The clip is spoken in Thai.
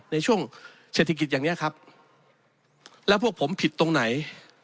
ในช่วงเศรษฐกิจอย่างนี้ครับแล้วพวกผมผิดตรงไหน